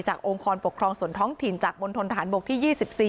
องค์กรปกครองส่วนท้องถิ่นจากมณฑนทหารบกที่๒๔